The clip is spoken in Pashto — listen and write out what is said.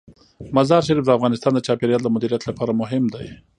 مزارشریف د افغانستان د چاپیریال د مدیریت لپاره مهم دي.